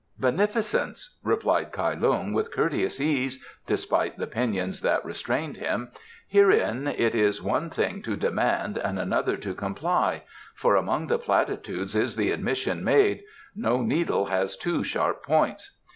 "Beneficence," replied Kai Lung, with courteous ease, despite the pinions that restrained him, "herein it is one thing to demand and another to comply, for among the Platitudes is the admission made: 'No needle has two sharp points.